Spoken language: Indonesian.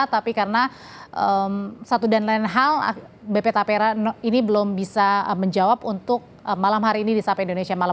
tapi karena satu dan lain hal bp tapera ini belum bisa menjawab untuk malam hari ini di sapa indonesia malam